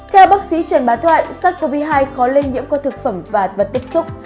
theo bác sĩ trần bá thoại sars cov hai khó lây nhiễm qua thực phẩm và vật tiếp xúc